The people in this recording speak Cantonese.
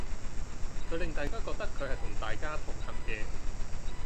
佢令大家覺得佢係同大家同行嘅